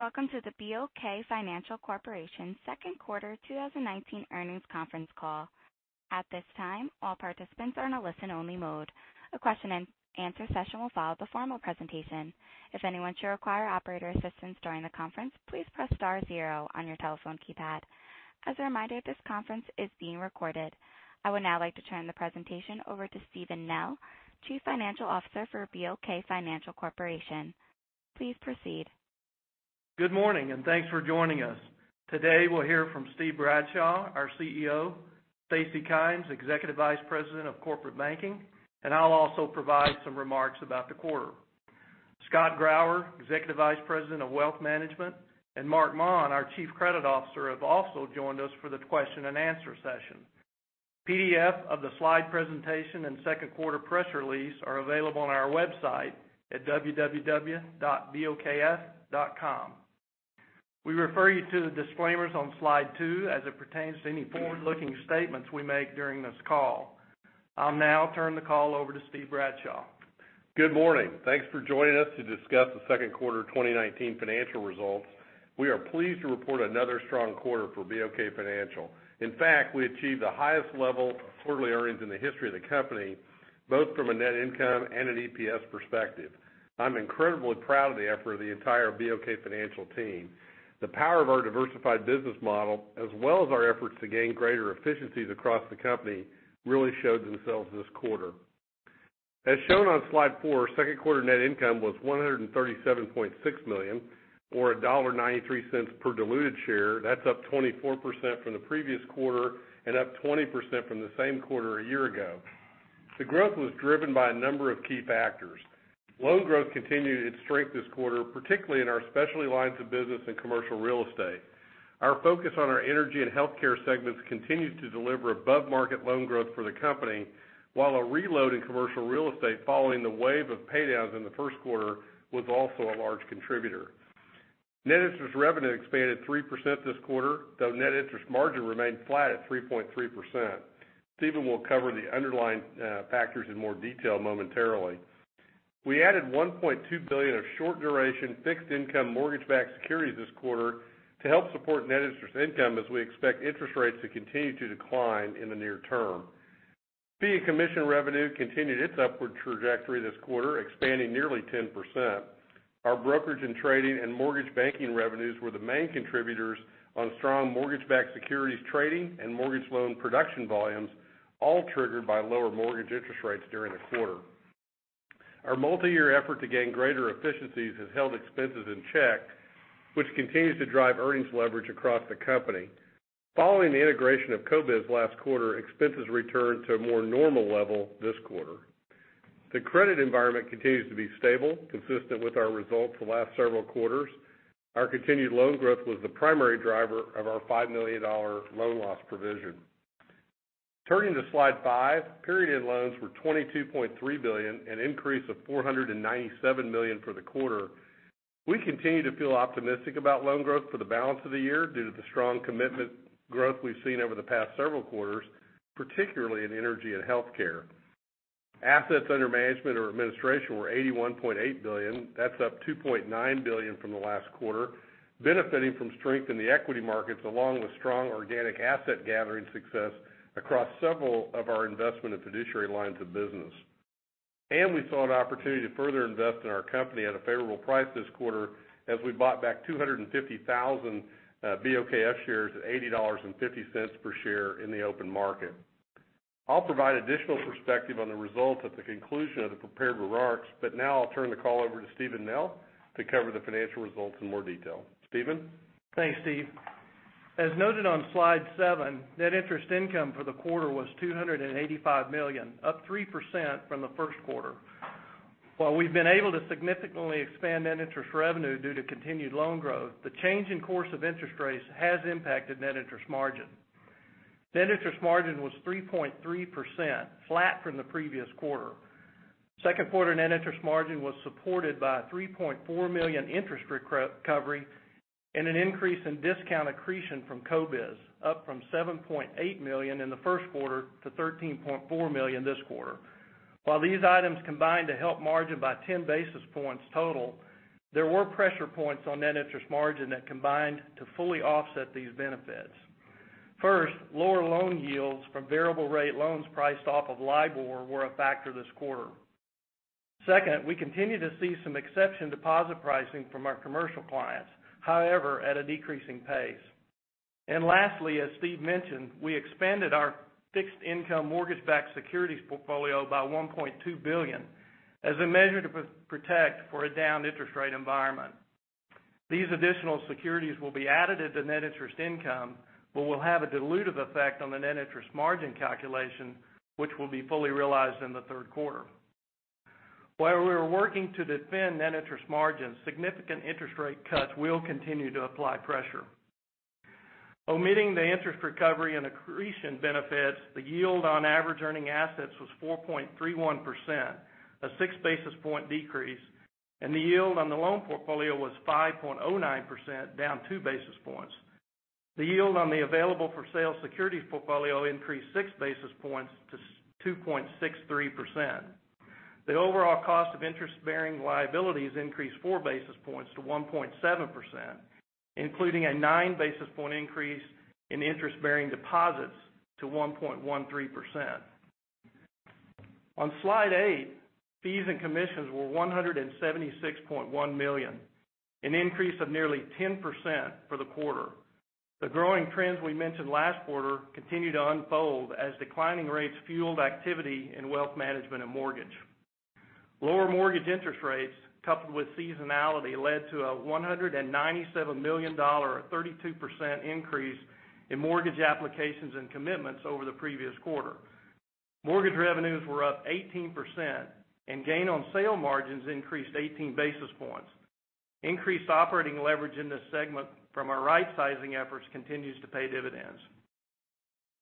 Welcome to the BOK Financial Corporation second quarter 2019 earnings conference call. At this time, all participants are in a listen-only mode. A question and answer session will follow the formal presentation. If anyone should require operator assistance during the conference, please press star zero on your telephone keypad. As a reminder, this conference is being recorded. I would now like to turn the presentation over to Steven Nell, Chief Financial Officer for BOK Financial Corporation. Please proceed. Good morning, and thanks for joining us. Today, we'll hear from Steve Bradshaw, our CEO, Stacy Kymes, Executive Vice President of Corporate Banking, and I'll also provide some remarks about the quarter. Scott Grauer, Executive Vice President of Wealth Management, and Marc Maun, our Chief Credit Officer, have also joined us for the question and answer session. PDF of the slide presentation and second quarter press release are available on our website at www.bokf.com. We refer you to the disclaimers on slide two as it pertains to any forward-looking statements we make during this call. I'll now turn the call over to Steve Bradshaw. Good morning. Thanks for joining us to discuss the second quarter 2019 financial results. We are pleased to report another strong quarter for BOK Financial. In fact, we achieved the highest level of quarterly earnings in the history of the company, both from a net income and an EPS perspective. I'm incredibly proud of the effort of the entire BOK Financial team. The power of our diversified business model, as well as our efforts to gain greater efficiencies across the company, really showed themselves this quarter. As shown on slide four, second quarter net income was $137.6 million, or $1.93 per diluted share. That's up 24% from the previous quarter and up 20% from the same quarter a year ago. The growth was driven by a number of key factors. Loan growth continued its strength this quarter, particularly in our specialty lines of business and commercial real estate. Our focus on our energy and healthcare segments continued to deliver above-market loan growth for the company, while a reload in commercial real estate following the wave of pay-downs in the first quarter was also a large contributor. Net interest income expanded 3% this quarter, though net interest margin remained flat at 3.3%. Steven will cover the underlying factors in more detail momentarily. We added $1.2 billion of short duration fixed income mortgage-backed securities this quarter to help support net interest income as we expect interest rates to continue to decline in the near term. Fee and commission revenue continued its upward trajectory this quarter, expanding nearly 10%. Our brokerage and trading and mortgage banking revenues were the main contributors on strong mortgage-backed securities trading and mortgage loan production volumes, all triggered by lower mortgage interest rates during the quarter. Our multi-year effort to gain greater efficiencies has held expenses in check, which continues to drive earnings leverage across the company. Following the integration of CoBiz last quarter, expenses returned to a more normal level this quarter. The credit environment continues to be stable, consistent with our results the last several quarters. Our continued loan growth was the primary driver of our $5 million loan loss provision. Turning to slide five, period end loans were $22.3 billion, an increase of $497 million for the quarter. We continue to feel optimistic about loan growth for the balance of the year due to the strong commitment growth we've seen over the past several quarters, particularly in energy and healthcare. Assets under management or administration were $81.8 billion. That's up $2.9 billion from the last quarter, benefiting from strength in the equity markets, along with strong organic asset gathering success across several of our investment and fiduciary lines of business. We saw an opportunity to further invest in our company at a favorable price this quarter as we bought back 250,000 BOKF shares at $80.50 per share in the open market. I'll provide additional perspective on the results at the conclusion of the prepared remarks, but now I'll turn the call over to Steven Nell to cover the financial results in more detail. Steven? Thanks, Steve. As noted on slide seven, net interest income for the quarter was $285 million, up 3% from the first quarter. While we've been able to significantly expand net interest revenue due to continued loan growth, the change in course of interest rates has impacted net interest margin. Net interest margin was 3.3%, flat from the previous quarter. Second quarter net interest margin was supported by a $3.4 million interest recovery and an increase in discount accretion from CoBiz, up from $7.8 million in the first quarter to $13.4 million this quarter. While these items combined to help margin by 10 basis points total, there were pressure points on net interest margin that combined to fully offset these benefits. First, lower loan yields from variable rate loans priced off of LIBOR were a factor this quarter. Second, we continue to see some exception deposit pricing from our commercial clients, however, at a decreasing pace. Lastly, as Steve mentioned, we expanded our fixed income mortgage-backed securities portfolio by $1.2 billion as a measure to protect for a down interest rate environment. These additional securities will be additive to net interest income but will have a dilutive effect on the net interest margin calculation, which will be fully realized in the third quarter. While we're working to defend net interest margin, significant interest rate cuts will continue to apply pressure. Omitting the interest recovery and accretion benefits, the yield on average earning assets was 4.31%, a six basis point decrease, and the yield on the loan portfolio was 5.09%, down two basis points. The yield on the available for sale securities portfolio increased six basis points to 2.63%. The overall cost of interest-bearing liabilities increased four basis points to 1.7%, including a nine basis point increase in interest-bearing deposits to 1.13%. On slide eight, fees and commissions were $176.1 million, an increase of nearly 10% for the quarter. The growing trends we mentioned last quarter continue to unfold as declining rates fueled activity in wealth management and mortgage. Lower mortgage interest rates, coupled with seasonality, led to a $197 million, or 32%, increase in mortgage applications and commitments over the previous quarter. Mortgage revenues were up 18%, gain on sale margins increased 18 basis points. Increased operating leverage in this segment from our rightsizing efforts continues to pay dividends.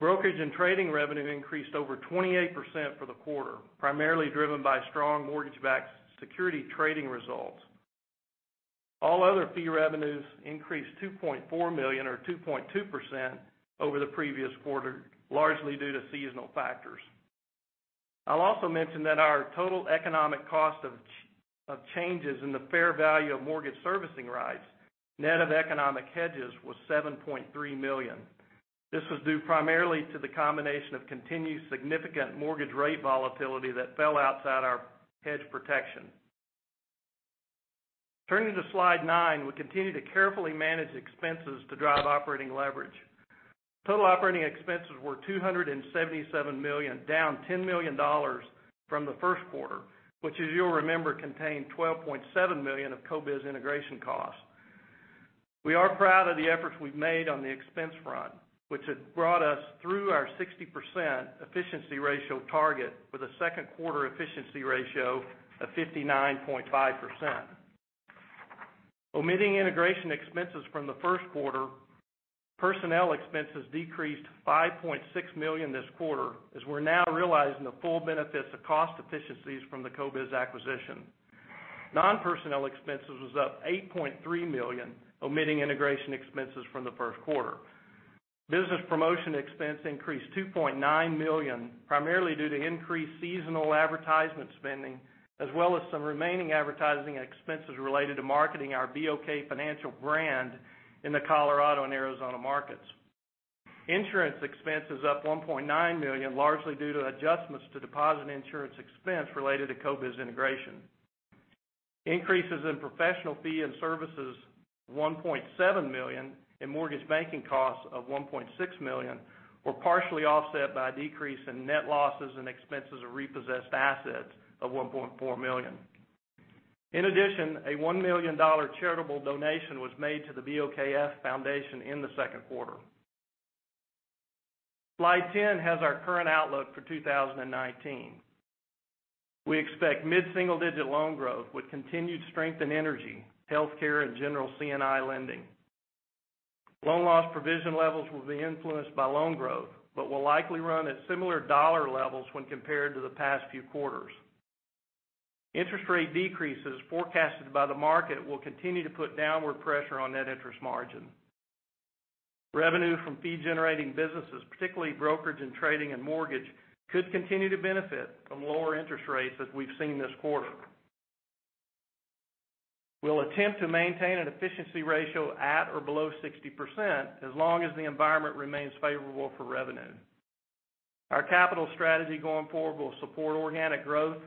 Brokerage and trading revenue increased over 28% for the quarter, primarily driven by strong mortgage-backed security trading results. All other fee revenues increased $2.4 million, or 2.2%, over the previous quarter, largely due to seasonal factors. I'll also mention that our total economic cost of changes in the fair value of mortgage servicing rights, net of economic hedges, was $7.3 million. This was due primarily to the combination of continued significant mortgage rate volatility that fell outside our hedge protection. Turning to slide nine, we continue to carefully manage expenses to drive operating leverage. Total operating expenses were $277 million, down $10 million from the first quarter, which as you'll remember, contained $12.7 million of CoBiz integration costs. We are proud of the efforts we've made on the expense front, which has brought us through our 60% efficiency ratio target with a second quarter efficiency ratio of 59.5%. Omitting integration expenses from the first quarter, personnel expenses decreased $5.6 million this quarter, as we're now realizing the full benefits of cost efficiencies from the CoBiz acquisition. Non-personnel expenses was up $8.3 million, omitting integration expenses from the first quarter. Business promotion expense increased $2.9 million, primarily due to increased seasonal advertisement spending, as well as some remaining advertising expenses related to marketing our BOK Financial brand in the Colorado and Arizona markets. Insurance expense is up $1.9 million, largely due to adjustments to deposit insurance expense related to CoBiz integration. Increases in professional fee and services, $1.7 million, and mortgage banking costs of $1.6 million were partially offset by a decrease in net losses and expenses of repossessed assets of $1.4 million. In addition, a $1 million charitable donation was made to the BOKF Foundation in the second quarter. Slide 10 has our current outlook for 2019. We expect mid-single-digit loan growth with continued strength in energy, health care, and general C&I lending. Loan loss provision levels will be influenced by loan growth, but will likely run at similar dollar levels when compared to the past few quarters. Interest rate decreases forecasted by the market will continue to put downward pressure on net interest margin. Revenue from fee-generating businesses, particularly brokerage and trading and mortgage, could continue to benefit from lower interest rates as we've seen this quarter. We'll attempt to maintain an efficiency ratio at or below 60% as long as the environment remains favorable for revenue. Our capital strategy going forward will support organic growth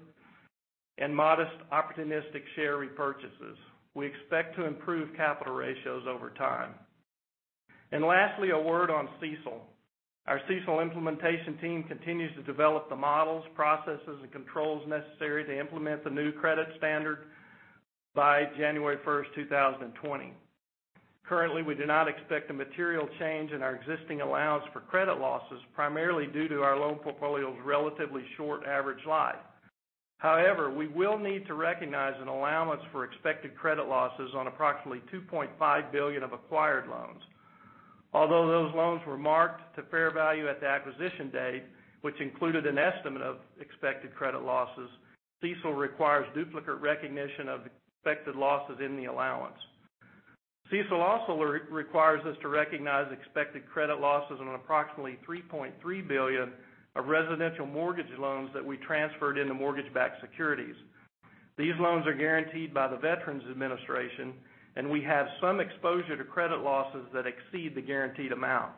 and modest opportunistic share repurchases. We expect to improve capital ratios over time. Lastly, a word on CECL. Our CECL implementation team continues to develop the models, processes, and controls necessary to implement the new credit standard by January 1st, 2020. Currently, we do not expect a material change in our existing allowance for credit losses, primarily due to our loan portfolio's relatively short average life. We will need to recognize an allowance for expected credit losses on approximately $2.5 billion of acquired loans. Although those loans were marked to fair value at the acquisition date, which included an estimate of expected credit losses, CECL requires duplicate recognition of expected losses in the allowance. CECL also requires us to recognize expected credit losses on approximately $3.3 billion of residential mortgage loans that we transferred into mortgage-backed securities. These loans are guaranteed by the Veterans Administration, we have some exposure to credit losses that exceed the guaranteed amount.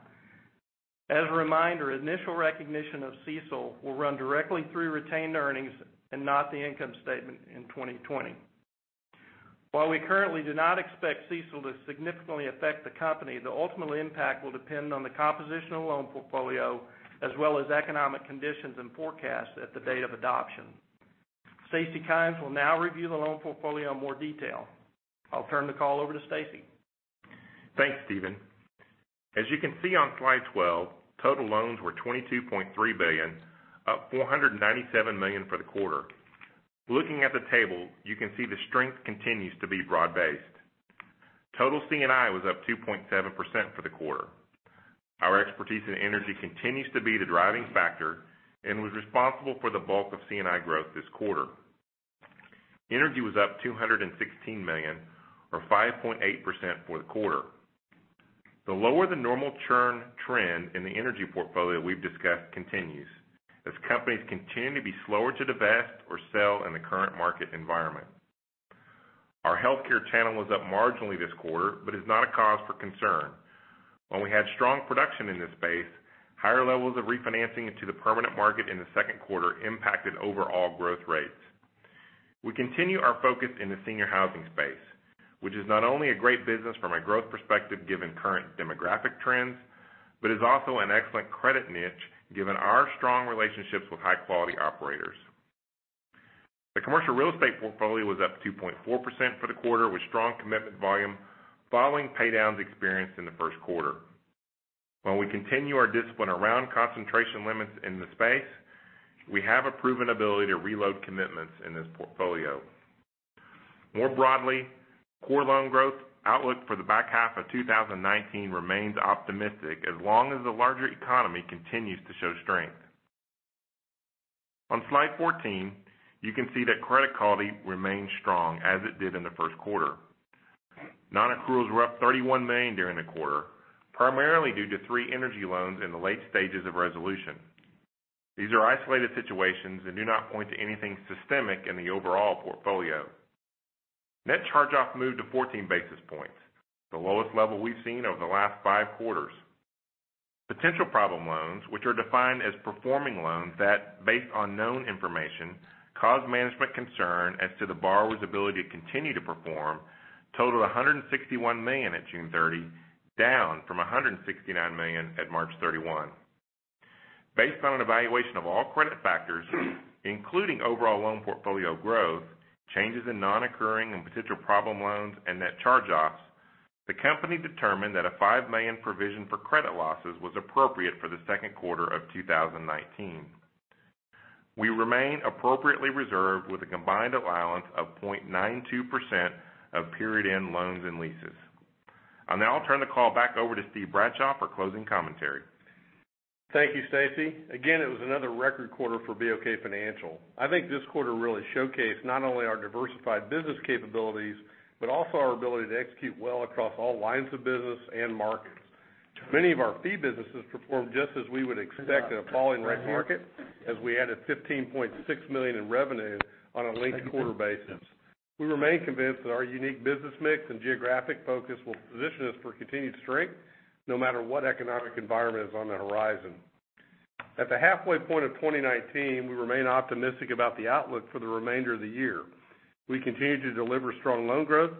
As a reminder, initial recognition of CECL will run directly through retained earnings and not the income statement in 2020. While we currently do not expect CECL to significantly affect the company, the ultimate impact will depend on the composition of loan portfolio, as well as economic conditions and forecasts at the date of adoption. Stacy Kymes will now review the loan portfolio in more detail. I'll turn the call over to Stacy. Thanks, Steven. As you can see on slide 12, total loans were $22.3 billion, up $497 million for the quarter. Looking at the table, you can see the strength continues to be broad-based. Total C&I was up 2.7% for the quarter. Our expertise in energy continues to be the driving factor and was responsible for the bulk of C&I growth this quarter. Energy was up $216 million, or 5.8% for the quarter. The lower-than-normal churn trend in the energy portfolio we've discussed continues, as companies continue to be slower to divest or sell in the current market environment. Our healthcare channel was up marginally this quarter, but is not a cause for concern. While we had strong production in this space, higher levels of refinancing into the permanent market in the second quarter impacted overall growth rates. We continue our focus in the senior housing space, which is not only a great business from a growth perspective given current demographic trends, but is also an excellent credit niche given our strong relationships with high-quality operators. The commercial real estate portfolio was up 2.4% for the quarter, with strong commitment volume following pay-downs experienced in the first quarter. While we continue our discipline around concentration limits in the space, we have a proven ability to reload commitments in this portfolio. More broadly, core loan growth outlook for the back half of 2019 remains optimistic as long as the larger economy continues to show strength. On slide 14, you can see that credit quality remains strong as it did in the first quarter. Non-accruals were up $31 million during the quarter, primarily due to three energy loans in the late stages of resolution. These are isolated situations and do not point to anything systemic in the overall portfolio. Net charge-off moved to 14 basis points, the lowest level we've seen over the last five quarters. Potential problem loans, which are defined as performing loans that, based on known information, cause management concern as to the borrower's ability to continue to perform, total $161 million at June 30, down from $169 million at March 31. Based on an evaluation of all credit factors, including overall loan portfolio growth, changes in non-occurring and potential problem loans, and net charge-offs, the company determined that a $5 million provision for credit losses was appropriate for the second quarter of 2019. We remain appropriately reserved with a combined allowance of 0.92% of period-end loans and leases. I'll now turn the call back over to Steve Bradshaw for closing commentary. Thank you, Stacy. Again, it was another record quarter for BOK Financial. I think this quarter really showcased not only our diversified business capabilities, but also our ability to execute well across all lines of business and markets. Many of our fee businesses performed just as we would expect in a falling rate market, as we added $15.6 million in revenue on a linked-quarter basis. We remain convinced that our unique business mix and geographic focus will position us for continued strength no matter what economic environment is on the horizon. At the halfway point of 2019, we remain optimistic about the outlook for the remainder of the year. We continue to deliver strong loan growth,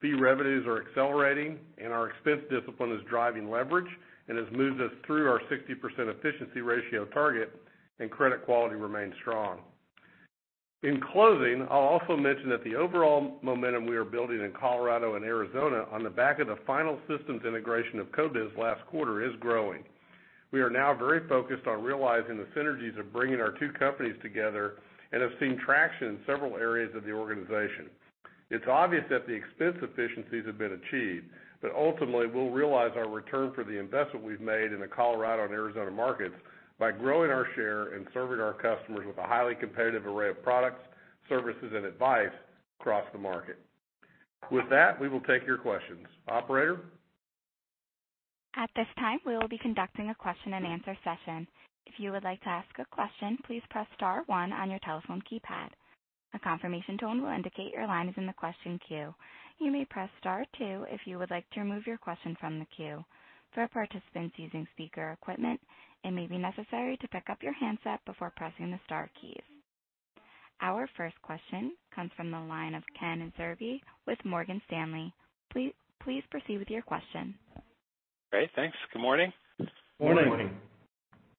fee revenues are accelerating, and our expense discipline is driving leverage and has moved us through our 60% efficiency ratio target, and credit quality remains strong. In closing, I'll also mention that the overall momentum we are building in Colorado and Arizona on the back of the final systems integration of CoBiz last quarter is growing. We are now very focused on realizing the synergies of bringing our two companies together and have seen traction in several areas of the organization. Ultimately, we'll realize our return for the investment we've made in the Colorado and Arizona markets by growing our share and serving our customers with a highly competitive array of products, services, and advice across the market. With that, we will take your questions. Operator? At this time, we will be conducting a question-and-answer session. If you would like to ask a question, please press star one on your telephone keypad. A confirmation tone will indicate your line is in the question queue. You may press star two if you would like to remove your question from the queue. For participants using speaker equipment, it may be necessary to pick up your handset before pressing the star keys. Our first question comes from the line of Ken Zerbe with Morgan Stanley. Please proceed with your question. Great, thanks. Good morning. Morning. Good morning.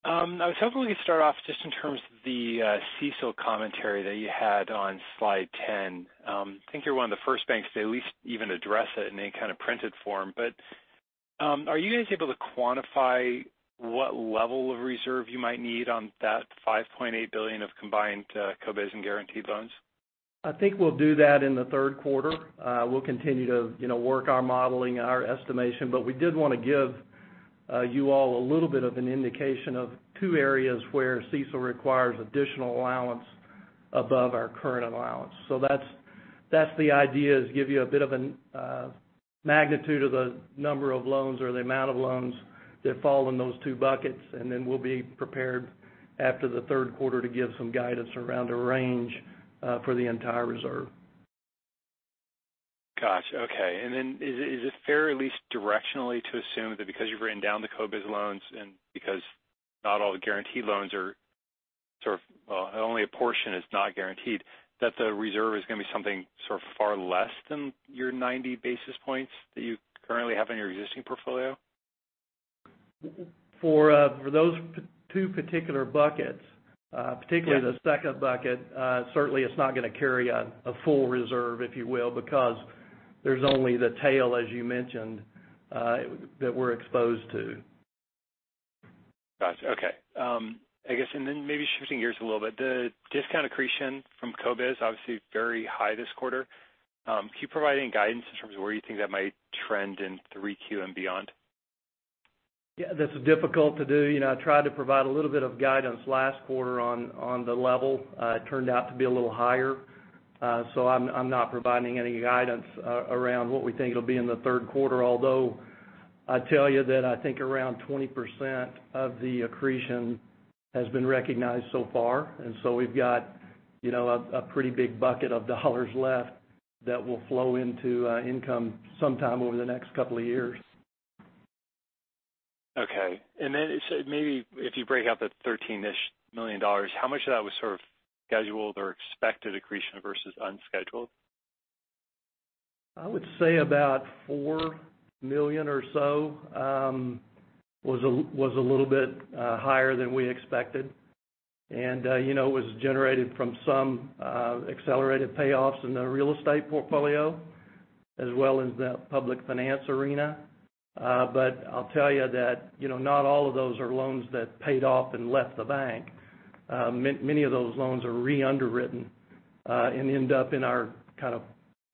I was hoping we could start off just in terms of the CECL commentary that you had on slide 10. I think you're one of the first banks to at least even address it in any kind of printed form. Are you guys able to quantify what level of reserve you might need on that $5.8 billion of combined CoBiz and guaranteed loans? I think we'll do that in the third quarter. We'll continue to work our modeling and our estimation, but we did want to give you all a little bit of an indication of two areas where CECL requires additional allowance above our current allowance. That's the idea, is give you a bit of a magnitude of the number of loans or the amount of loans that fall in those two buckets, and then we'll be prepared after the third quarter to give some guidance around a range for the entire reserve. Got you, okay. Then is it fair, at least directionally, to assume that because you've written down the CoBiz loans and because not all the guaranteed loans are sort of, well, only a portion is not guaranteed, that the reserve is going to be something sort of far less than your 90 basis points that you currently have in your existing portfolio? For those two particular buckets, particularly the second bucket, certainly it's not going to carry a full reserve, if you will, because there's only the tail, as you mentioned, that we're exposed to. Got you, okay. I guess, maybe shifting gears a little bit, the discount accretion from CoBiz, obviously very high this quarter. Can you provide any guidance in terms of where you think that might trend in 3Q and beyond? Yeah, this is difficult to do. I tried to provide a little bit of guidance last quarter on the level. It turned out to be a little higher. I'm not providing any guidance around what we think it'll be in the third quarter, although I'd tell you that I think around 20% of the accretion has been recognized so far. We've got a pretty big bucket of dollars left that will flow into income sometime over the next couple of years. Okay. Maybe if you break out the $13-ish million, how much of that was sort of scheduled or expected accretion versus unscheduled? I would say about $4 million or so was a little bit higher than we expected. It was generated from some accelerated payoffs in the real estate portfolio, as well as the public finance arena. I'll tell you that not all of those are loans that paid off and left the bank. Many of those loans are re-underwritten, and end up in our kind of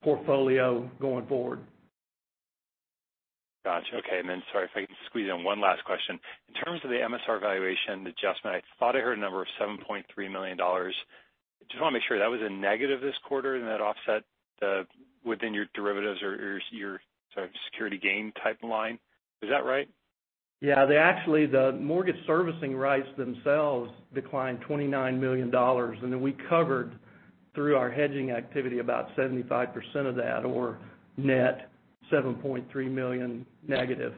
portfolio going forward. Got you. Okay. Sorry, if I can squeeze in one last question. In terms of the MSR valuation adjustment, I thought I heard a number of $7.3 million. Just want to make sure, that was a negative this quarter, and that offset within your derivatives or your security gain type line. Is that right? Yeah. Actually, the mortgage servicing rights themselves declined $29 million. We covered through our hedging activity about 75% of that, or net $7.3 million negative.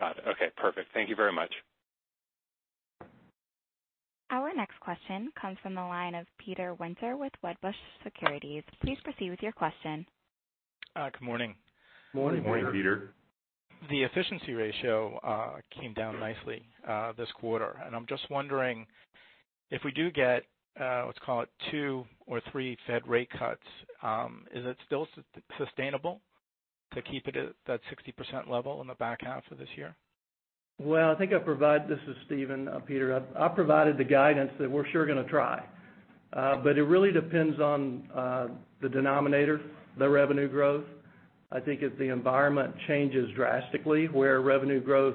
Got it. Okay, perfect. Thank you very much. Our next question comes from the line of Peter Winter with Wedbush Securities. Please proceed with your question. Good morning. Morning, Peter. The efficiency ratio came down nicely this quarter. I'm just wondering, if we do get, let's call it two or three Fed rate cuts, is it still sustainable to keep it at that 60% level in the back half of this year? Well, this is Steven, Peter. I provided the guidance that we're sure going to try. It really depends on the denominator, the revenue growth. I think if the environment changes drastically, where revenue growth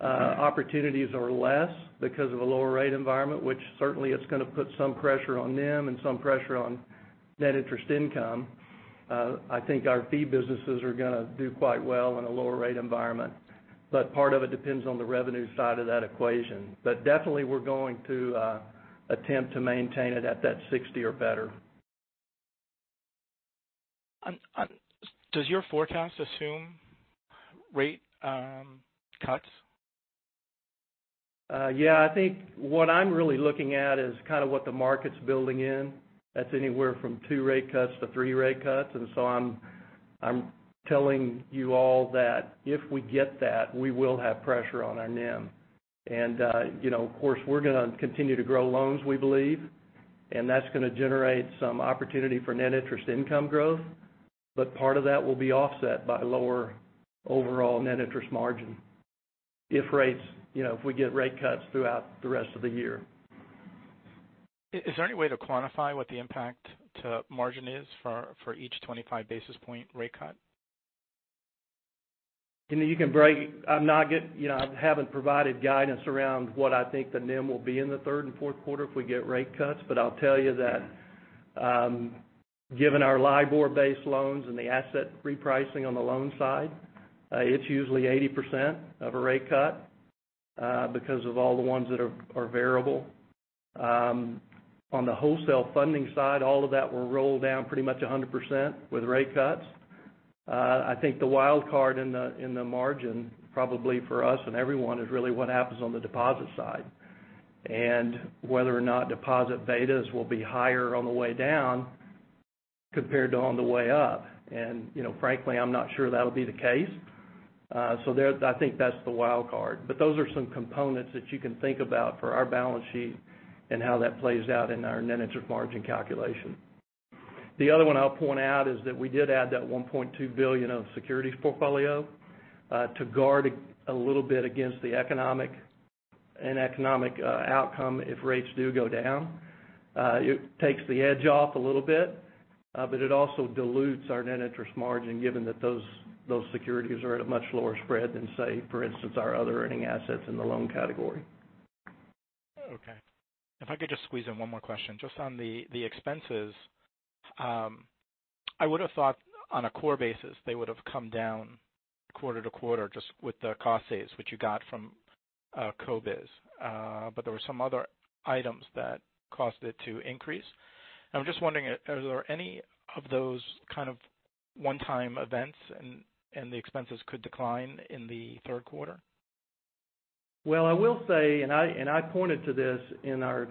opportunities are less because of a lower rate environment, which certainly it's going to put some pressure on NIM and some pressure on net interest income. I think our fee businesses are going to do quite well in a lower rate environment. Part of it depends on the revenue side of that equation. Definitely, we're going to attempt to maintain it at that 60 or better. Does your forecast assume rate cuts? Yeah. I think what I'm really looking at is kind of what the market's building in. That's anywhere from two rate cuts to three rate cuts. I'm telling you all that if we get that, we will have pressure on our NIM. Of course, we're going to continue to grow loans, we believe, and that's going to generate some opportunity for net interest income growth. Part of that will be offset by lower overall net interest margin if we get rate cuts throughout the rest of the year. Is there any way to quantify what the impact to margin is for each 25 basis point rate cut? I haven't provided guidance around what I think the NIM will be in the third and fourth quarter if we get rate cuts. I'll tell you that given our LIBOR-based loans and the asset repricing on the loan side, it's usually 80% of a rate cut because of all the ones that are variable. On the wholesale funding side, all of that will roll down pretty much 100% with rate cuts. I think the wild card in the margin, probably for us and everyone, is really what happens on the deposit side, and whether or not deposit betas will be higher on the way down compared to on the way up. Frankly, I'm not sure that'll be the case. I think that's the wild card. Those are some components that you can think about for our balance sheet and how that plays out in our net interest margin calculation. The other one I'll point out is that we did add that $1.2 billion of securities portfolio to guard a little bit against the economic outcome if rates do go down. It takes the edge off a little bit. It also dilutes our net interest margin, given that those securities are at a much lower spread than, say, for instance, our other earning assets in the loan category. Okay. If I could just squeeze in one more question. Just on the expenses, I would have thought on a core basis, they would have come down quarter-to-quarter just with the cost saves, which you got from CoBiz. There were some other items that caused it to increase. I'm just wondering, are there any of those kind of one-time events, and the expenses could decline in the third quarter? I will say, I pointed to this in our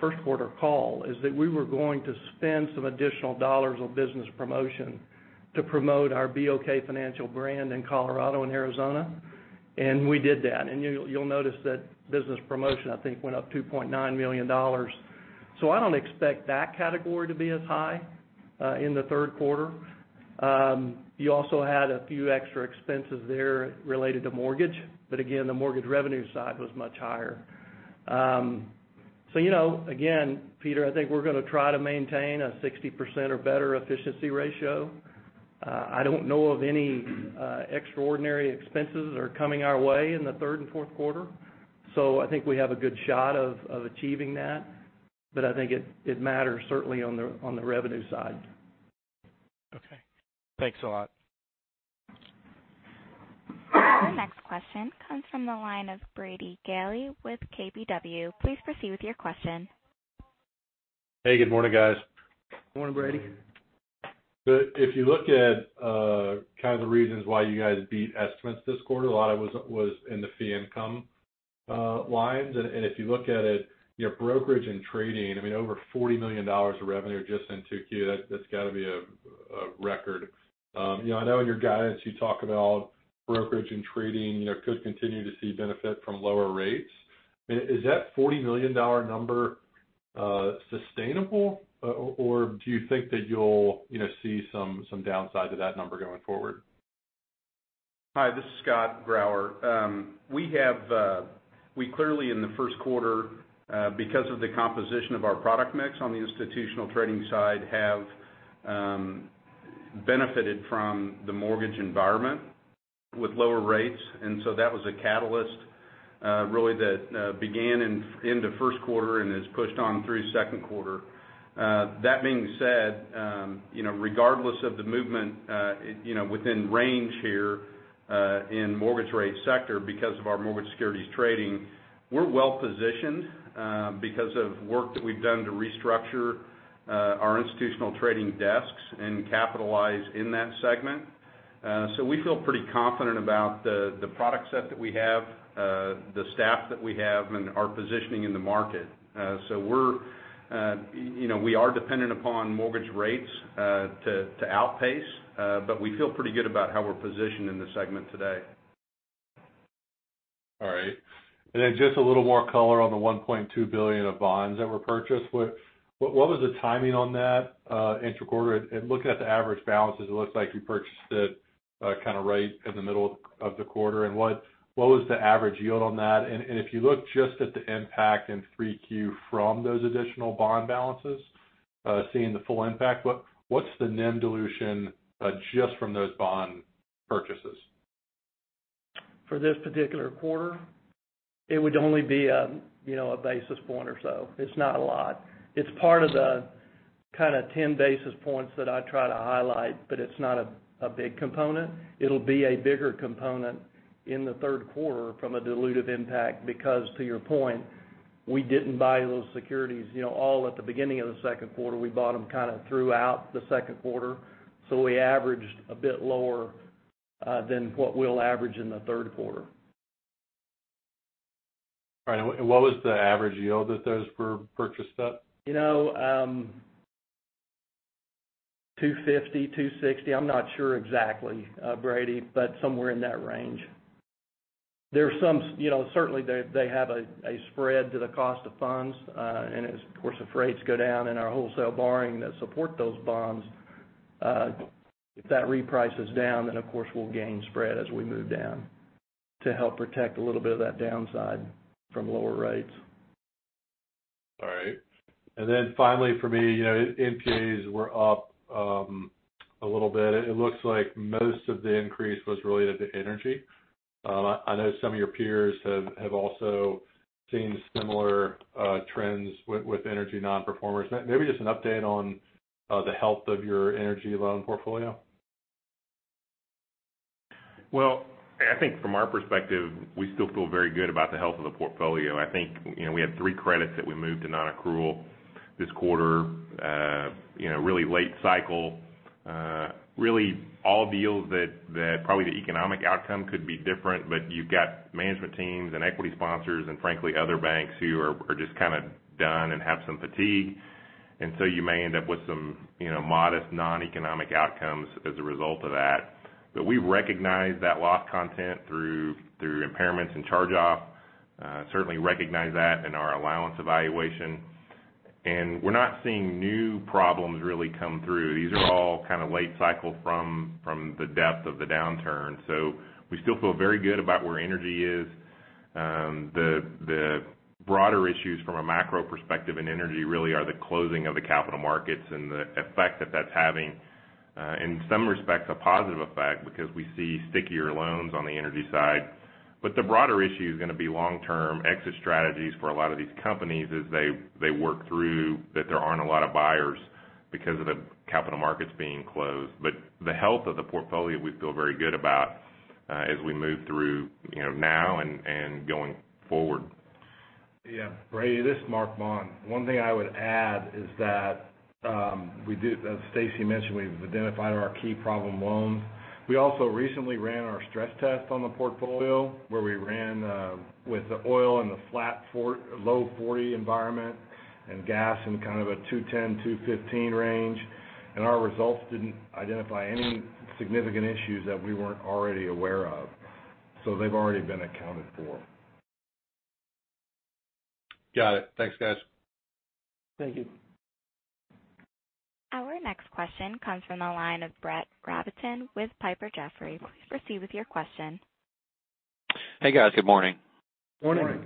first quarter call, is that we were going to spend some additional dollars on business promotion to promote our BOK Financial brand in Colorado and Arizona. We did that. You'll notice that business promotion, I think, went up $2.9 million. I don't expect that category to be as high in the third quarter. You also had a few extra expenses there related to mortgage, again, the mortgage revenue side was much higher. Again, Peter, I think we're going to try to maintain a 60% or better efficiency ratio. I don't know of any extraordinary expenses that are coming our way in the third and fourth quarter. I think we have a good shot of achieving that, but I think it matters certainly on the revenue side. Okay. Thanks a lot. The next question comes from the line of Brady Gailey with KBW. Please proceed with your question. Hey, good morning, guys. Morning, Brady. If you look at the reasons why you guys beat estimates this quarter, a lot of it was in the fee income lines. If you look at it, your brokerage and trading, over $40 million of revenue just in 2Q, that's got to be a record. I know in your guidance you talk about brokerage and trading could continue to see benefit from lower rates. Is that $40 million number sustainable, or do you think that you'll see some downside to that number going forward? Hi, this is Scott Grauer. We clearly in the first quarter, because of the composition of our product mix on the institutional trading side, have benefited from the mortgage environment with lower rates. That was a catalyst really that began in the first quarter and has pushed on through second quarter. That being said, regardless of the movement within range here in mortgage rate sector because of our mortgage securities trading, we're well-positioned because of work that we've done to restructure our institutional trading desks and capitalize in that segment. We feel pretty confident about the product set that we have, the staff that we have, and our positioning in the market. We are dependent upon mortgage rates to outpace, but we feel pretty good about how we're positioned in the segment today. All right. Just a little more color on the $1.2 billion of bonds that were purchased. What was the timing on that intra-quarter? Looking at the average balances, it looks like you purchased it right in the middle of the quarter. What was the average yield on that? If you look just at the impact in 3Q from those additional bond balances, seeing the full impact, what's the NIM dilution just from those bond purchases? For this particular quarter, it would only be a basis point or so. It's not a lot. It's part of the 10 basis points that I try to highlight, but it's not a big component. It'll be a bigger component in the third quarter from a dilutive impact because, to your point, we didn't buy those securities all at the beginning of the second quarter. We bought them throughout the second quarter. We averaged a bit lower than what we'll average in the third quarter. All right. What was the average yield that those were purchased at? 250, 260. I'm not sure exactly, Brady, but somewhere in that range. Certainly, they have a spread to the cost of funds. Of course, if rates go down in our wholesale borrowing that support those bonds, if that reprice is down, of course, we'll gain spread as we move down to help protect a little bit of that downside from lower rates. All right. Finally for me, NPAs were up a little bit. It looks like most of the increase was related to energy. I know some of your peers have also seen similar trends with energy non-performers. Maybe just an update on the health of your energy loan portfolio. Well, I think from our perspective, we still feel very good about the health of the portfolio. I think we had 3 credits that we moved to non-accrual this quarter. Really late cycle. Really all deals that probably the economic outcome could be different, but you've got management teams and equity sponsors, and frankly, other banks who are just kind of done and have some fatigue. You may end up with some modest non-economic outcomes as a result of that. We recognize that loss content through impairments and charge-off. Certainly recognize that in our allowance evaluation. We're not seeing new problems really come through. These are all late cycle from the depth of the downturn. We still feel very good about where energy is. The broader issues from a macro perspective in energy really are the closing of the capital markets and the effect that that's having. In some respects, a positive effect because we see stickier loans on the energy side. The broader issue is going to be long-term exit strategies for a lot of these companies as they work through that there aren't a lot of buyers because of the capital markets being closed. The health of the portfolio, we feel very good about as we move through now and going forward. Yeah. Brady, this is Mark Maun. One thing I would add is that as Stacy mentioned, we've identified our key problem loans. We also recently ran our stress test on the portfolio where we ran with the oil in the low $40 environment and gas in a $2.10-$2.15 range. Our results didn't identify any significant issues that we weren't already aware of. They've already been accounted for. Got it. Thanks, guys. Thank you. Our next question comes from the line of Brett Rabatin with Piper Jaffray. Please proceed with your question. Hey, guys. Good morning. Morning.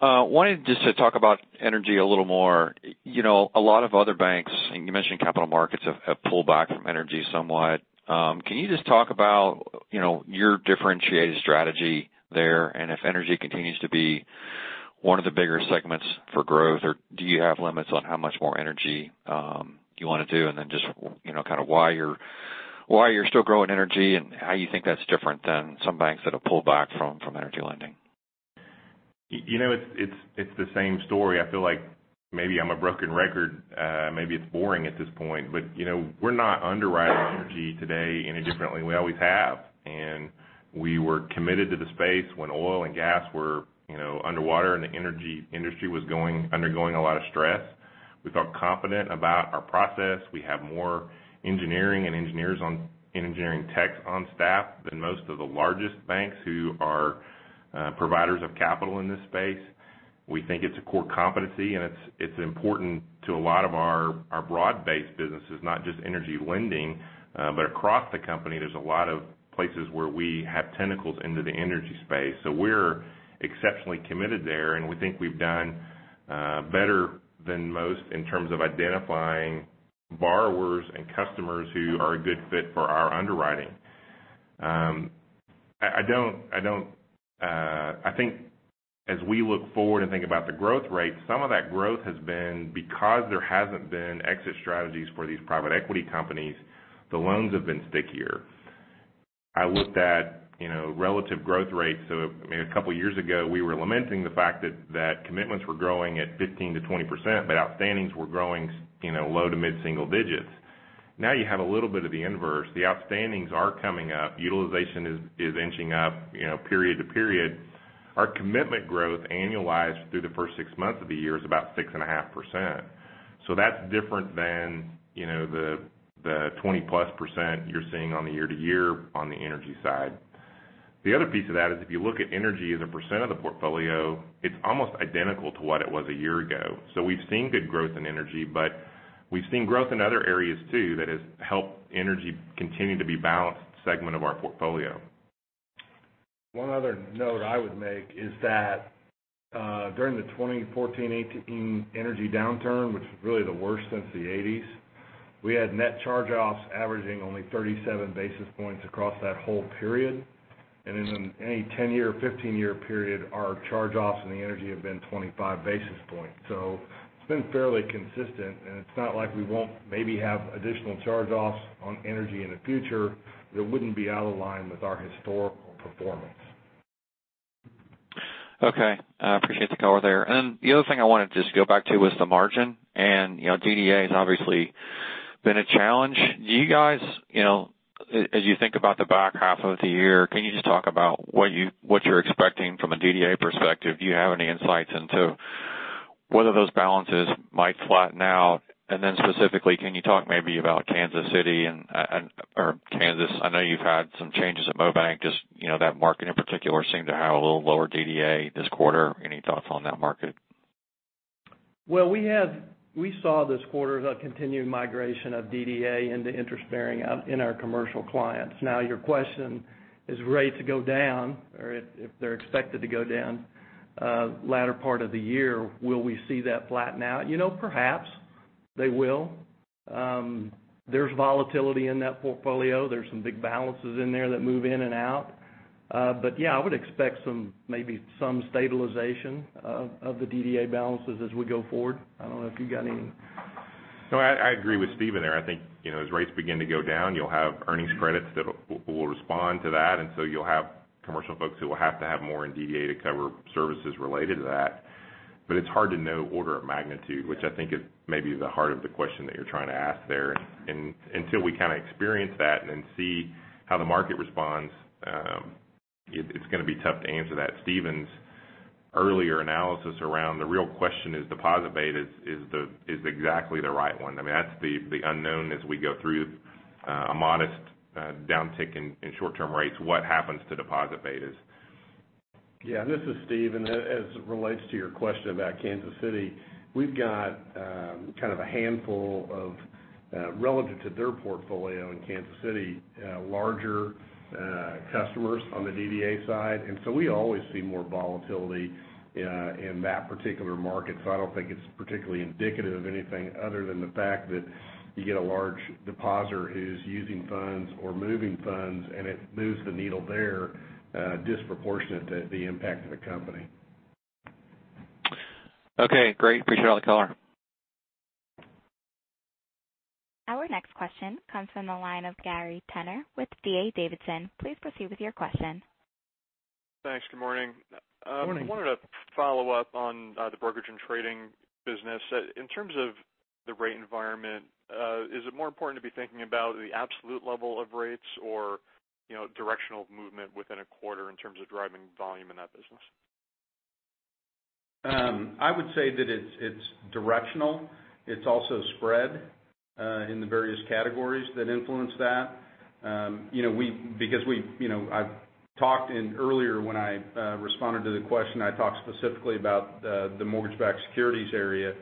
Wanted just to talk about energy a little more. A lot of other banks, and you mentioned capital markets, have pulled back from energy somewhat. Can you just talk about your differentiated strategy there, and if energy continues to be one of the bigger segments for growth? Or do you have limits on how much more energy you want to do? Just, kind of why you're still growing energy and how you think that's different than some banks that have pulled back from energy lending? It's the same story. I feel like maybe I'm a broken record. Maybe it's boring at this point, but we're not underwriting energy today any differently than we always have. We were committed to the space when oil and gas were underwater and the energy industry was undergoing a lot of stress. We felt confident about our process. We have more engineering and engineers and engineering techs on staff than most of the largest banks who are providers of capital in this space. We think it's a core competency, and it's important to a lot of our broad-based businesses, not just energy lending. Across the company, there's a lot of places where we have tentacles into the energy space. We're exceptionally committed there, and we think we've done better than most in terms of identifying borrowers and customers who are a good fit for our underwriting. I think as we look forward and think about the growth rate, some of that growth has been because there hasn't been exit strategies for these private equity companies, the loans have been stickier. I looked at relative growth rates. A couple of years ago, we were lamenting the fact that commitments were growing at 15%-20%, but outstandings were growing low to mid-single digits. Now you have a little bit of the inverse. The outstandings are coming up. Utilization is inching up period to period. Our commitment growth annualized through the first six months of the year is about 6.5%. That's different than the 20%+ you're seeing on the year-to-year on the energy side. The other piece of that is if you look at energy as a percent of the portfolio, it's almost identical to what it was a year ago. We've seen good growth in energy, but we've seen growth in other areas too that has helped energy continue to be a balanced segment of our portfolio. One other note I would make is that during the 2014, 2018 energy downturn, which was really the worst since the 1980s, we had net charge-offs averaging only 37 basis points across that whole period. In any 10-year or 15-year period, our charge-offs in energy have been 25 basis points. It's been fairly consistent, and it's not like we won't maybe have additional charge-offs on energy in the future that wouldn't be out of line with our historical performance. Okay. I appreciate the color there. The other thing I wanted to just go back to was the margin. DDA has obviously been a challenge. You guys, as you think about the back half of the year, can you just talk about what you're expecting from a DDA perspective? Do you have any insights into whether those balances might flatten out? Specifically, can you talk maybe about Kansas City or Kansas? I know you've had some changes at mobank, just that market in particular seemed to have a little lower DDA this quarter. Any thoughts on that market? Well, we saw this quarter the continued migration of DDA into interest-bearing in our commercial clients. Your question, is rates go down, or if they're expected to go down latter part of the year, will we see that flatten out? Perhaps they will. There's volatility in that portfolio. There's some big balances in there that move in and out. Yeah, I would expect maybe some stabilization of the DDA balances as we go forward. I don't know if you got anything. No, I agree with Steven there. I think, as rates begin to go down, you'll have earnings credits that will respond to that. You'll have commercial folks who will have to have more in DDA to cover services related to that. It's hard to know order of magnitude, which I think is maybe the heart of the question that you're trying to ask there. Until we kind of experience that and then see how the market responds, it's going to be tough to answer that. Steven's earlier analysis around the real question is deposit beta is exactly the right one. I mean, that's the unknown as we go through a modest downtick in short-term rates, what happens to deposit betas? Yeah, this is Steve. As it relates to your question about Kansas City, we've got kind of a handful of, relative to their portfolio in Kansas City, larger customers on the DDA side. We always see more volatility in that particular market. I don't think it's particularly indicative of anything other than the fact that you get a large depositor who's using funds or moving funds, and it moves the needle there disproportionate to the impact of the company. Okay, great. Appreciate all the color. Our next question comes from the line of Gary Tenner with D.A. Davidson. Please proceed with your question. Thanks. Good morning. Morning. I wanted to follow up on the brokerage and trading business. In terms of the rate environment, is it more important to be thinking about the absolute level of rates or directional movement within a quarter in terms of driving volume in that business? I would say that it's directional. It's also spread in the various categories that influence that. I've talked in earlier when I responded to the question, I talked specifically about the mortgage-backed securities area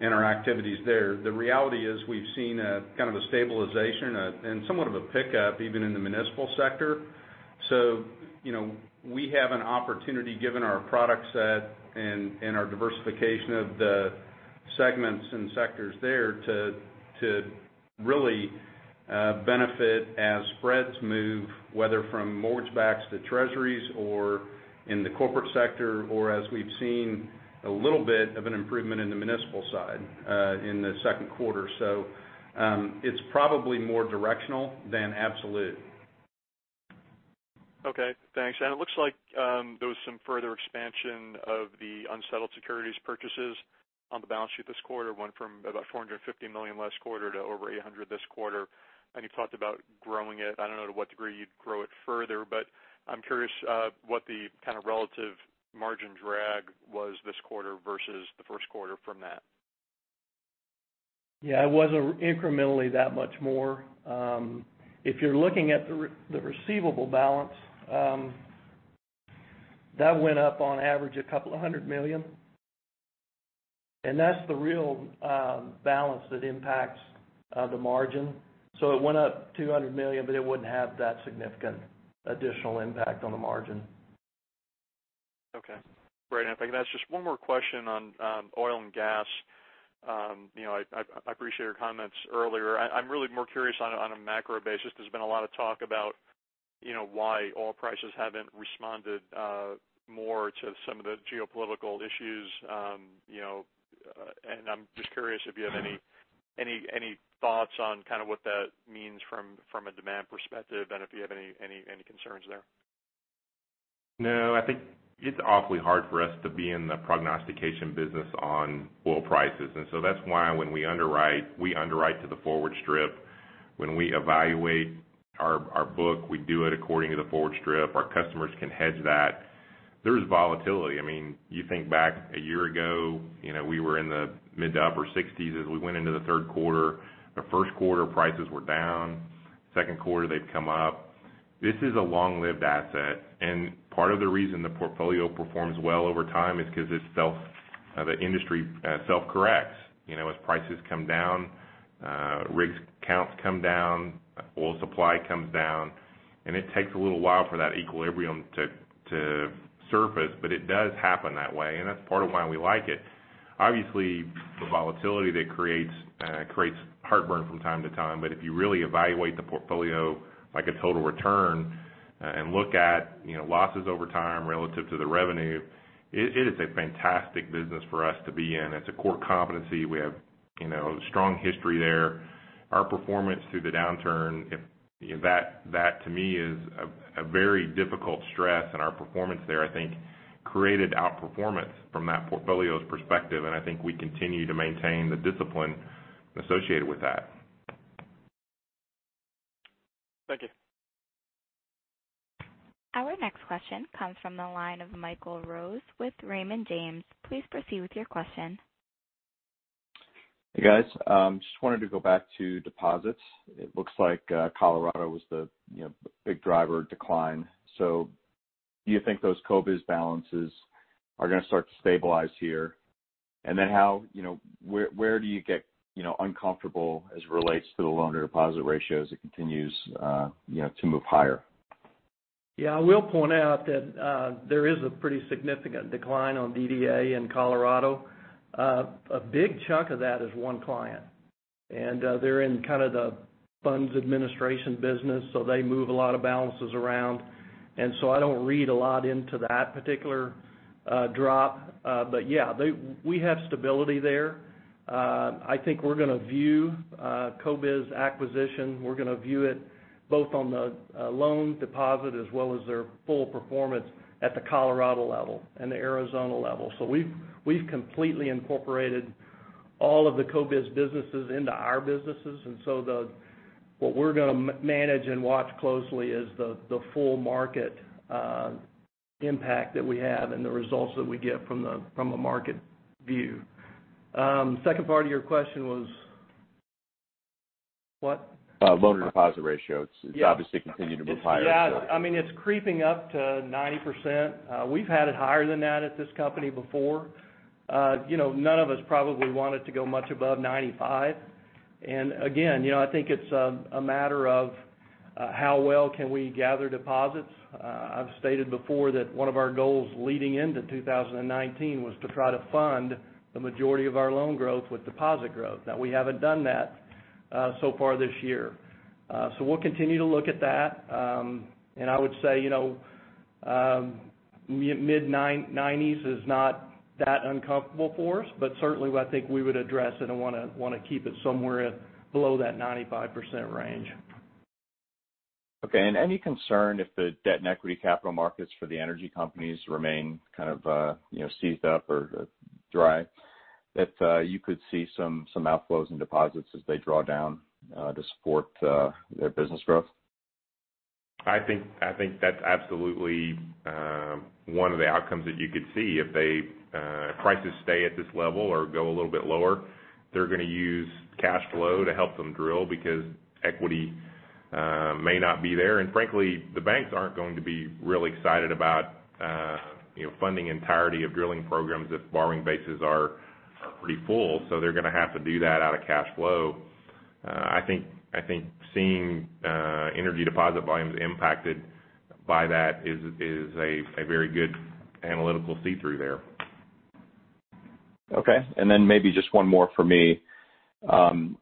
and our activities there. The reality is we've seen a kind of a stabilization, and somewhat of a pickup, even in the municipal sector. We have an opportunity, given our product set and our diversification of the segments and sectors there to really benefit as spreads move, whether from mortgage-backs to Treasuries or in the corporate sector, or as we've seen a little bit of an improvement in the municipal side in the second quarter. It's probably more directional than absolute. Okay, thanks. It looks like there was some further expansion of the unsettled securities purchases on the balance sheet this quarter. It went from about $450 million last quarter to over $800 million this quarter. You've talked about growing it. I don't know to what degree you'd grow it further, but I'm curious what the kind of relative margin drag was this quarter versus the first quarter from that. Yeah, it wasn't incrementally that much more. If you're looking at the receivable balance, that went up on average $200 million, and that's the real balance that impacts the margin. It went up $200 million, but it wouldn't have that significant additional impact on the margin. Okay, great. If I could ask just one more question on oil and gas. I appreciate your comments earlier. I'm really more curious on a macro basis. There's been a lot of talk about why oil prices haven't responded more to some of the geopolitical issues. I'm just curious if you have any thoughts on what that means from a demand perspective, and if you have any concerns there. No, I think it's awfully hard for us to be in the prognostication business on oil prices. That's why when we underwrite, we underwrite to the forward strip. When we evaluate our book, we do it according to the forward strip. Our customers can hedge that. There is volatility. You think back a year ago, we were in the mid to upper 60s as we went into the third quarter. The first quarter prices were down. Second quarter they've come up. This is a long-lived asset, and part of the reason the portfolio performs well over time is because the industry self-corrects. As prices come down, rig counts come down, oil supply comes down, and it takes a little while for that equilibrium to surface, but it does happen that way, and that's part of why we like it. The volatility that creates heartburn from time to time, if you really evaluate the portfolio, like a total return, and look at losses over time relative to the revenue, it is a fantastic business for us to be in. It's a core competency. We have a strong history there. Our performance through the downturn, that to me is a very difficult stress. Our performance there, I think, created outperformance from that portfolio's perspective, and I think we continue to maintain the discipline associated with that. Thank you. Our next question comes from the line of Michael Rose with Raymond James. Please proceed with your question. Hey, guys. Just wanted to go back to deposits. It looks like Colorado was the big driver decline. Do you think those CoBiz balances are going to start to stabilize here? Where do you get uncomfortable as it relates to the loan-to-deposit ratios that continues to move higher? Yeah, I will point out that there is a pretty significant decline on DDA in Colorado. A big chunk of that is one client, and they're in kind of the funds administration business, so they move a lot of balances around. I don't read a lot into that particular drop. Yeah, we have stability there. I think we're going to view CoBiz acquisition, we're going to view it both on the loan deposit as well as their full performance at the Colorado level and the Arizona level. We've completely incorporated all of the CoBiz businesses into our businesses. What we're going to manage and watch closely is the full market impact that we have and the results that we get from a market view. Second part of your question was what? Loan-to-deposit ratio. It's obviously continued to move higher. Yeah. It's creeping up to 90%. We've had it higher than that at this company before. None of us probably want it to go much above 95%. Again, I think it's a matter of how well can we gather deposits. I've stated before that one of our goals leading into 2019 was to try to fund the majority of our loan growth with deposit growth. Now, we haven't done that so far this year. We'll continue to look at that. I would say, mid 90s is not that uncomfortable for us, but certainly, I think we would address it and want to keep it somewhere below that 95% range. Okay. Any concern if the debt and equity capital markets for the energy companies remain kind of seized up or dry, that you could see some outflows in deposits as they draw down to support their business growth? I think that's absolutely one of the outcomes that you could see. If prices stay at this level or go a little bit lower, they're going to use cash flow to help them drill because equity may not be there. Frankly, the banks aren't going to be really excited about funding the entirety of drilling programs if borrowing bases are pretty full. They're going to have to do that out of cash flow. I think seeing energy deposit volumes impacted by that is a very good analytical see-through there. Okay. Then maybe just one more for me. Can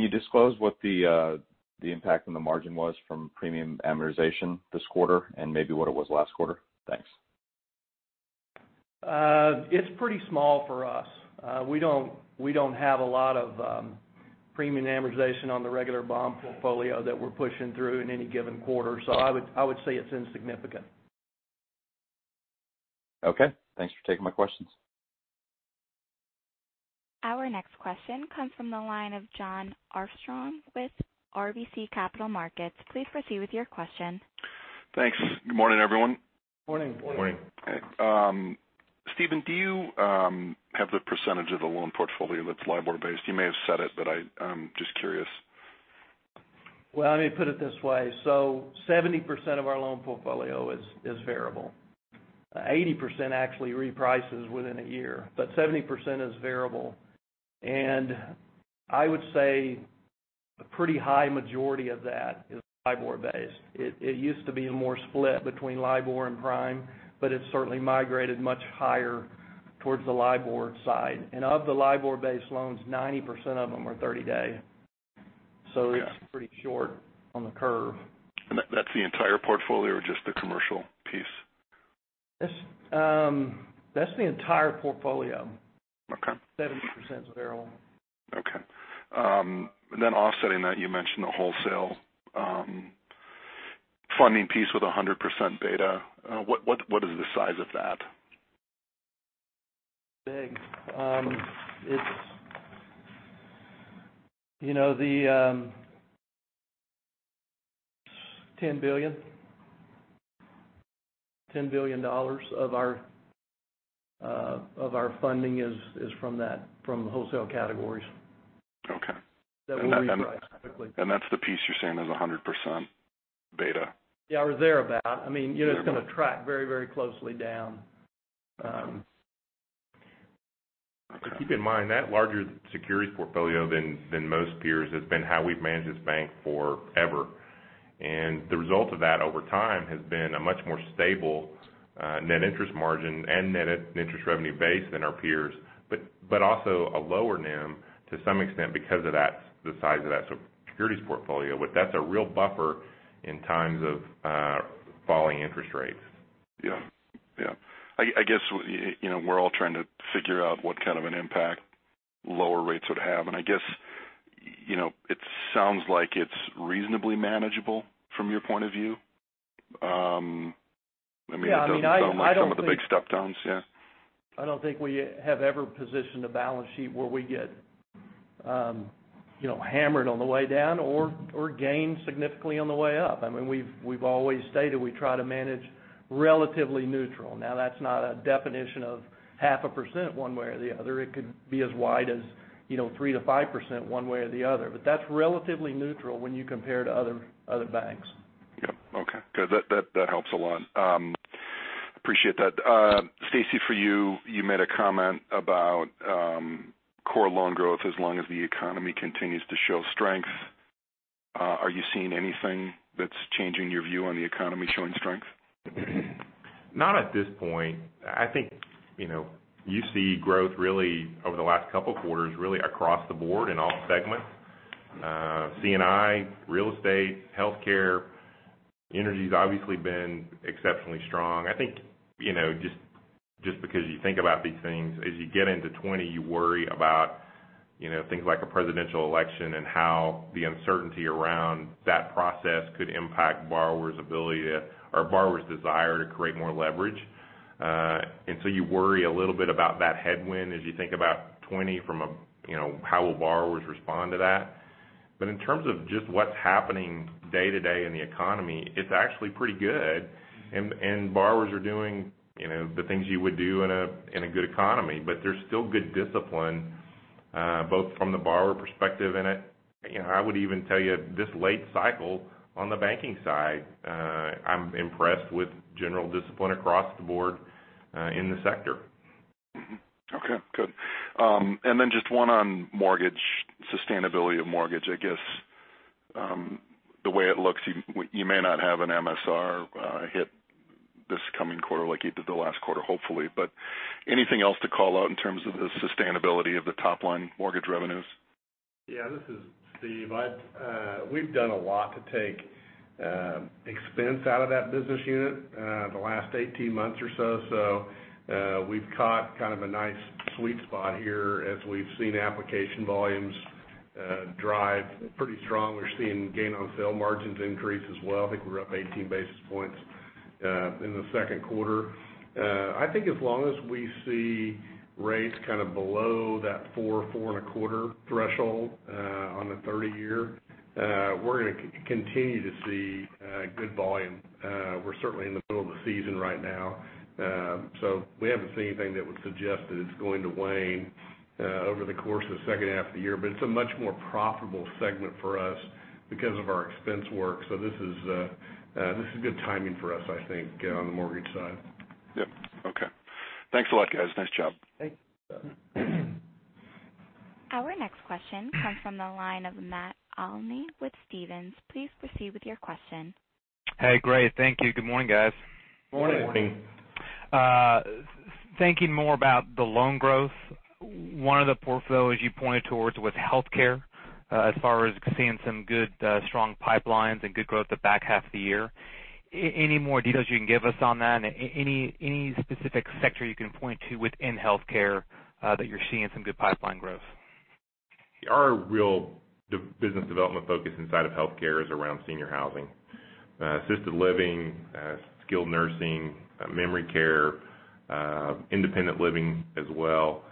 you disclose what the impact on the margin was from premium amortization this quarter and maybe what it was last quarter? Thanks. It's pretty small for us. We don't have a lot of premium amortization on the regular bond portfolio that we're pushing through in any given quarter. I would say it's insignificant. Okay. Thanks for taking my questions. Our next question comes from the line of Jon Arfstrom with RBC Capital Markets. Please proceed with your question. Thanks. Good morning, everyone. Morning. Morning. Steven, do you have the percentage of the loan portfolio that's LIBOR base? You may have said it, but I'm just curious. Well, let me put it this way. 70% of our loan portfolio is variable. 80% actually reprices within a year, but 70% is variable. I would say a pretty high majority of that is LIBOR based. It used to be more split between LIBOR and prime, but it's certainly migrated much higher towards the LIBOR side. Of the LIBOR based loans, 90% of them are 30-day. Yeah. It's pretty short on the curve. That's the entire portfolio or just the commercial piece? That's the entire portfolio. Okay. 70% is variable. Okay. Offsetting that you mentioned the wholesale funding piece with 100% beta. What is the size of that? Big. It's $10 billion of our funding is from the wholesale categories. Okay. That will reprice quickly. That's the piece you're saying is 100% beta. Yeah, or thereabout. It's going to track very closely down. Okay. Keep in mind, that larger securities portfolio than most peers has been how we've managed this bank forever. The result of that over time has been a much more stable net interest margin and net interest revenue base than our peers, but also a lower NIM to some extent because of the size of that securities portfolio. That's a real buffer in times of falling interest rates. Yeah. I guess we're all trying to figure out what kind of an impact lower rates would have, and I guess, it sounds like it's reasonably manageable from your point of view. It doesn't sound like some of the big step downs. Yeah. I don't think we have ever positioned a balance sheet where we get hammered on the way down or gain significantly on the way up. We've always stated we try to manage relatively neutral. That's not a definition of half a % one way or the other. It could be as wide as 3%-5% one way or the other, but that's relatively neutral when you compare to other banks. Yep. Okay. Good. That helps a lot. Appreciate that. Stacy, for you made a comment about core loan growth as long as the economy continues to show strength. Are you seeing anything that's changing your view on the economy showing strength? Not at this point. I think you see growth really over the last couple of quarters, really across the board in all segments. C&I, real estate, healthcare. Energy's obviously been exceptionally strong. I think just because you think about these things, as you get into 2020, you worry about things like a presidential election and how the uncertainty around that process could impact borrowers' ability, or borrower's desire to create more leverage. You worry a little bit about that headwind as you think about 2020 from how will borrowers respond to that. In terms of just what's happening day-to-day in the economy, it's actually pretty good. Borrowers are doing the things you would do in a good economy. There's still good discipline both from the borrower perspective in it. I would even tell you this late cycle on the banking side, I'm impressed with general discipline across the board in the sector. Okay, good. Just one on mortgage, sustainability of mortgage. I guess the way it looks, you may not have an MSR hit this coming quarter like you did the last quarter, hopefully. Anything else to call out in terms of the sustainability of the top line mortgage revenues? Yeah. This is Steve. We've done a lot to take expense out of that business unit the last 18 months or so. We've caught kind of a nice sweet spot here as we've seen application volumes drive pretty strong. We're seeing gain on sale margins increase as well. I think we're up 18 basis points. In the second quarter. I think as long as we see rates kind of below that four, 4.25 threshold on the 30-year, we're going to continue to see good volume. We're certainly in the middle of the season right now. We haven't seen anything that would suggest that it's going to wane over the course of the second half of the year, but it's a much more profitable segment for us because of our expense work. This is good timing for us, I think, on the mortgage side. Yep. Okay. Thanks a lot, guys. Nice job. Thanks. Our next question comes from the line of Matt Olney with Stephens. Please proceed with your question. Hey, great. Thank you. Good morning, guys. Morning. Morning. Thinking more about the loan growth, one of the portfolios you pointed towards was healthcare, as far as seeing some good, strong pipelines and good growth the back half of the year. Any more details you can give us on that? Any specific sector you can point to within healthcare that you're seeing some good pipeline growth? Our real business development focus inside of healthcare is around senior housing, assisted living, skilled nursing, memory care, independent living as well.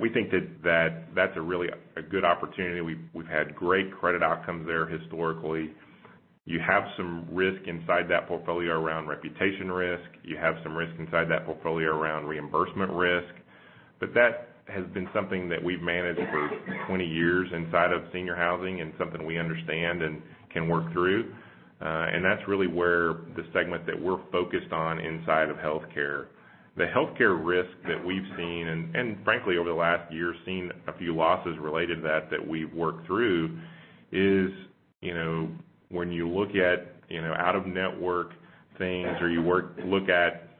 We think that's a really good opportunity. We've had great credit outcomes there historically. You have some risk inside that portfolio around reputation risk. You have some risk inside that portfolio around reimbursement risk. That has been something that we've managed for 20 years inside of senior housing and something we understand and can work through. That's really where the segment that we're focused on inside of healthcare. The healthcare risk that we've seen, and frankly, over the last year, seen a few losses related to that that we've worked through is when you look at out-of-network things or you look at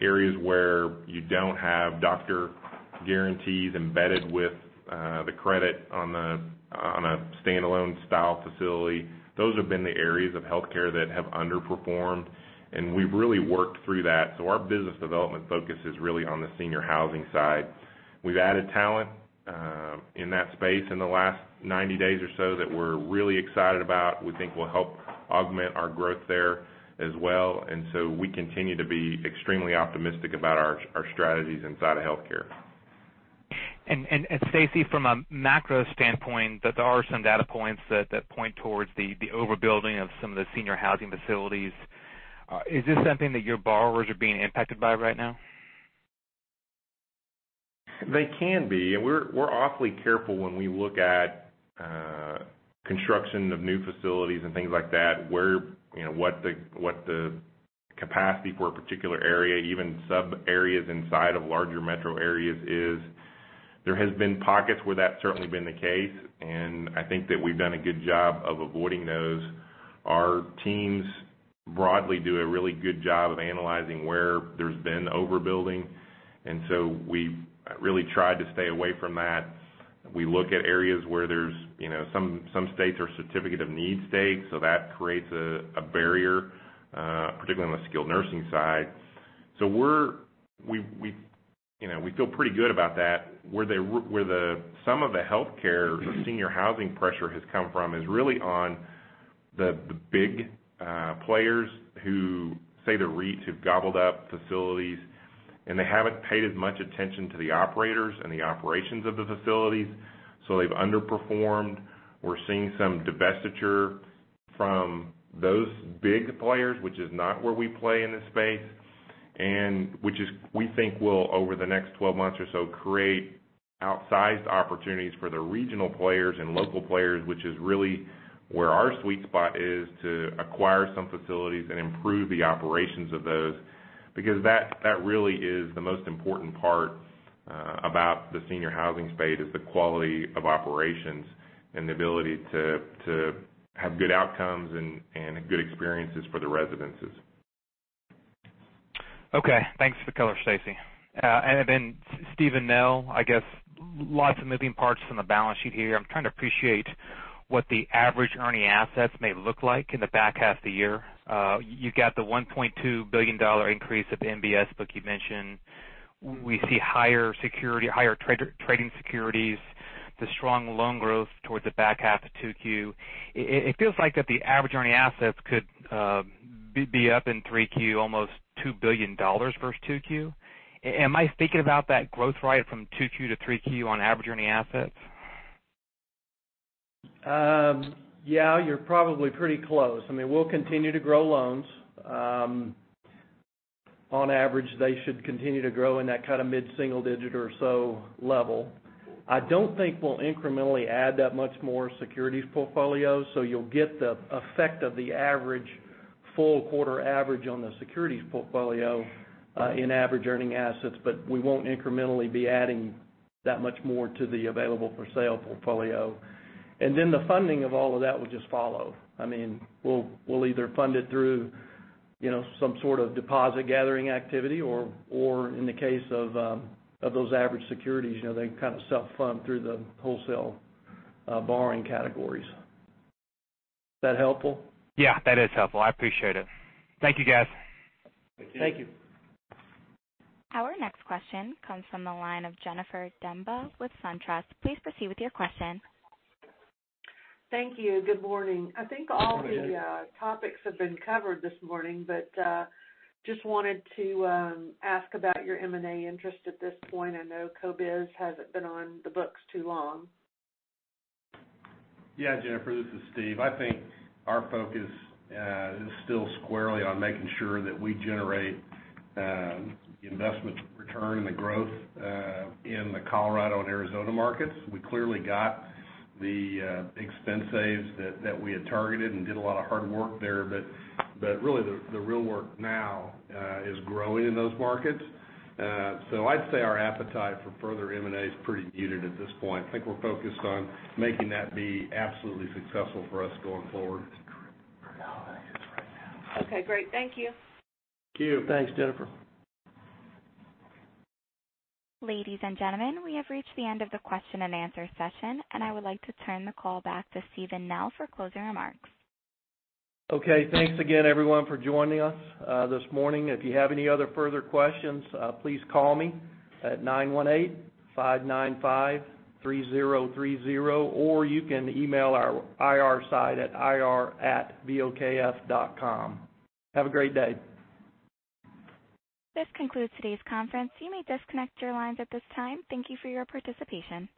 areas where you don't have doctor guarantees embedded with the credit on a standalone style facility, those have been the areas of healthcare that have underperformed, and we've really worked through that. Our business development focus is really on the senior housing side. We've added talent in that space in the last 90 days or so that we're really excited about, we think will help augment our growth there as well. We continue to be extremely optimistic about our strategies inside of healthcare. Stacy, from a macro standpoint, there are some data points that point towards the overbuilding of some of the senior housing facilities. Is this something that your borrowers are being impacted by right now? They can be. We're awfully careful when we look at construction of new facilities and things like that, what the capacity for a particular area, even sub-areas inside of larger metro areas is. There has been pockets where that's certainly been the case, and I think that we've done a good job of avoiding those. Our teams broadly do a really good job of analyzing where there's been overbuilding, and so we've really tried to stay away from that. We look at areas where there's some states are certificate of need states, so that creates a barrier, particularly on the skilled nursing side. We feel pretty good about that. Where some of the healthcare senior housing pressure has come from is really on the big players who, say, the REITs, have gobbled up facilities, and they haven't paid as much attention to the operators and the operations of the facilities. They've underperformed. We're seeing some divestiture from those big players, which is not where we play in this space. Which we think will, over the next 12 months or so, create outsized opportunities for the regional players and local players, which is really where our sweet spot is to acquire some facilities and improve the operations of those. That really is the most important part about the senior housing space, is the quality of operations and the ability to have good outcomes and good experiences for the residences. Okay. Thanks for the color, Stacy. Steven Nell, I guess lots of moving parts on the balance sheet here. I'm trying to appreciate what the average earning assets may look like in the back half of the year. You've got the $1.2 billion increase of the MBS book you mentioned. We see higher trading securities, the strong loan growth towards the back half of 2Q. It feels like that the average earning assets could be up in 3Q almost $2 billion versus 2Q. Am I thinking about that growth right from 2Q to 3Q on average earning assets? Yeah, you're probably pretty close. I mean, we'll continue to grow loans. On average, they should continue to grow in that kind of mid-single digit or so level. I don't think we'll incrementally add that much more securities portfolio. You'll get the effect of the average full quarter average on the securities portfolio in average earning assets, but we won't incrementally be adding that much more to the available for sale portfolio. The funding of all of that would just follow. We'll either fund it through some sort of deposit gathering activity or in the case of those average securities, they kind of self-fund through the wholesale borrowing categories. Is that helpful? Yeah, that is helpful. I appreciate it. Thank you, guys. Thank you. Thank you. Our next question comes from the line of Jennifer Demba with SunTrust. Please proceed with your question. Thank you. Good morning. Good morning. I think all the topics have been covered this morning, but just wanted to ask about your M&A interest at this point. I know CoBiz hasn't been on the books too long. Yeah, Jennifer, this is Steve. I think our focus is still squarely on making sure that we generate the investment return and the growth in the Colorado and Arizona markets. We clearly got the expense saves that we had targeted and did a lot of hard work there. Really the real work now is growing in those markets. I'd say our appetite for further M&A is pretty muted at this point. I think we're focused on making that be absolutely successful for us going forward. Okay, great. Thank you. Thank you. Thanks, Jennifer. Ladies and gentlemen, we have reached the end of the question and answer session, and I would like to turn the call back to Steven Nell for closing remarks. Okay, thanks again, everyone, for joining us this morning. If you have any other further questions, please call me at 918-595-3030, or you can email our IR site at ir@bokf.com. Have a great day. This concludes today's conference. You may disconnect your lines at this time. Thank you for your participation.